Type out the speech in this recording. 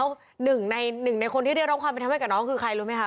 แล้วหนึ่งในหนึ่งในคนที่เรียกร้องความเป็นธรรมให้กับน้องคือใครรู้ไหมคะ